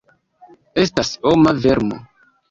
Estas homa vermo!